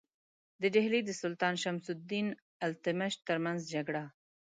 د ډهلي د سلطان شمس الدین التمش ترمنځ جګړه.